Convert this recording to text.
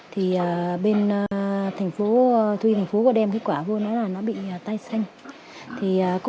thì bên thu y thành phố có đem kết quả vô là nó bị tai xanh